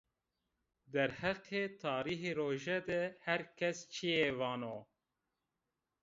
Derheqê tarîxê roje de her kes çîyê vano